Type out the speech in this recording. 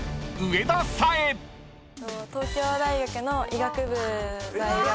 東京大学の医学部在学。